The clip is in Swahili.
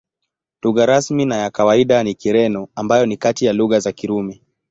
Lugha rasmi na ya kawaida ni Kireno, ambayo ni kati ya lugha za Kirumi.